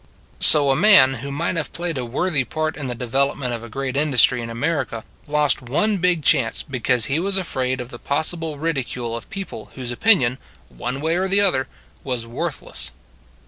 9 So a man who might have played a worthy part in the development of a great industry in America lost one big chance be cause he was afraid of the possible ridi cule of people whose opinion, one way or the other, was worthless.